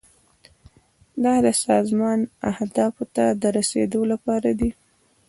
دا د سازمان اهدافو ته د رسیدو لپاره دي.